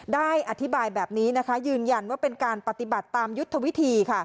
ได้อธิบายแบบนี้นะคะยืนยันว่าเป็นการปฏิบัติตามยุทธวิธี